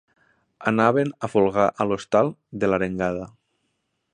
Anaven a folgar a l'hostal de l'Arengada.